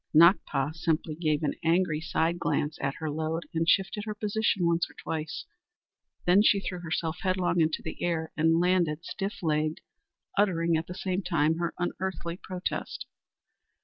Nakpa simply gave an angry side glance at her load and shifted her position once or twice. Then she threw herself headlong into the air and landed stiff legged, uttering at the same time her unearthly protest.